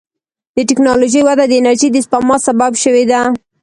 د ټکنالوجۍ وده د انرژۍ د سپما سبب شوې ده.